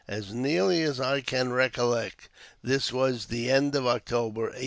As nearly as I can recollect, this was the end of October, 1823.